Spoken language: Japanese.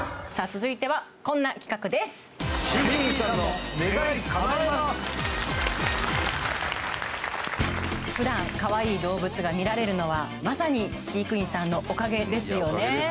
続いてはこんな企画です普段かわいい動物が見られるのはまさに飼育員さんのおかげですよね